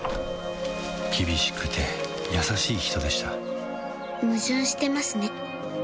厳しくて優しい人でした矛盾してますね